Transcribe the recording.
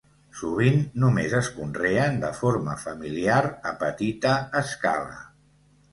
Sovint només es conreen de forma familiar a petita escala.